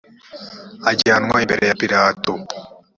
ajyanwa imbere ya pilato